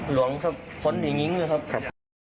หลวงข้นหญิงยิงเลยครับ